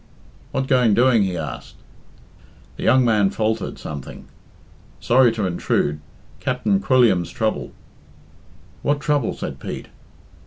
"What going doing?" he asked. The young man faltered something. Sorry to intrude Capt'n Quilliam's trouble. "What trouble?" said Pete.